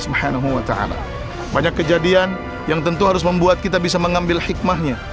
subhanahu wa ta'ala banyak kejadian yang tentu harus membuat kita bisa mengambil hikmahnya